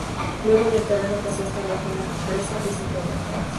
Luego el terreno pasó a estar bajo una empresa de supermercados.